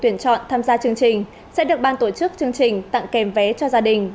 tuyển chọn tham gia chương trình sẽ được ban tổ chức chương trình tặng kèm vé cho gia đình